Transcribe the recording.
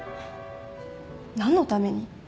何のために？